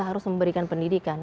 harus memberikan pendidikan